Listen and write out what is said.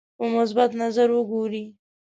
په مثبت نظر وګوري.